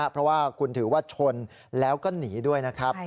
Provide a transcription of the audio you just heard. เพราะว่าคุณถือว่าชนแล้วก็หนีด้วยนะครับ